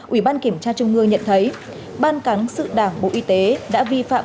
ủy ban kiểm tra trung ương nhận thấy ban cán sự đảng bộ y tế đã vi phạm